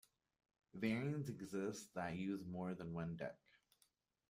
Variants exist that use more than one deck.